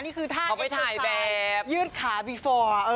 นี่คือท่านที่ถ่ายยืดขาเบฟอร์